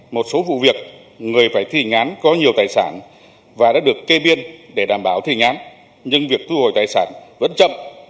một số vụ việc người phải thi hành án có nhiều tài sản và đã được kê biên để đảm bảo thi hành án nhưng việc thu hồi tài sản vẫn chậm